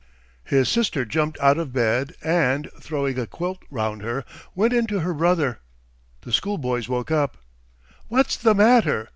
His sister jumped out of bed and, throwing a quilt round her, went in to her brother. The schoolboys woke up. "What's the matter?